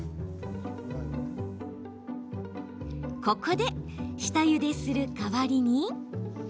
ここで、下ゆでする代わりに。